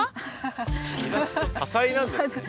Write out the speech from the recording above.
多才なんですね。